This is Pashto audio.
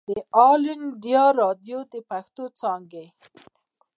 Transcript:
د آل انډيا ريډيو د پښتو څانګې